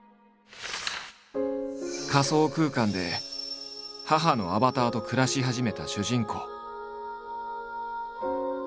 仮想空間で母のアバターと暮らし始めた主人公。